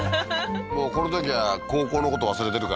このときは高校のこと忘れてるからね